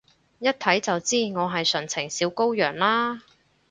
一睇就知我係純情小羔羊啦？